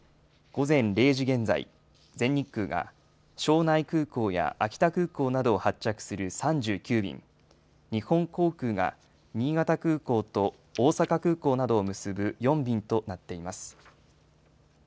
午前０時現在、全日空が庄内空港や秋田空港などを発着する３９便、日本航空が、新潟空港と大阪空港などを結ぶ４便となっています。